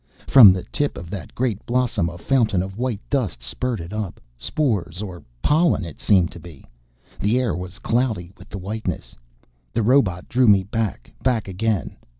From the tip of that great blossom a fountain of white dust spurted up. Spores or pollen, it seemed to be. The air was cloudy with the whiteness. The robot drew me back, back again.